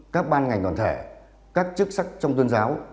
các ban ngành toàn thể các chức sách trong tôn giáo